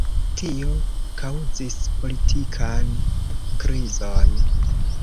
Tio kaŭzis politikan krizon.